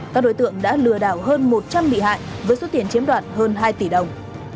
các đối tượng đã lừa đảo hơn một trăm linh bị hại với số tiền chiếm đoạt hơn hai tỷ đồng